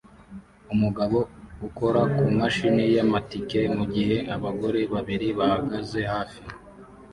Umugabo ukora kumashini yamatike mugihe abagore babiri bahagaze hafi